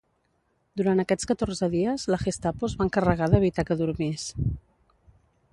Durant aquests catorze dies, la Gestapo es va encarregar d'evitar que dormís.